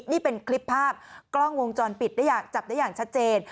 นี่เป็นคลิปภาพกล้องวงจรปิดได้อยากจับได้อย่างชัดเจน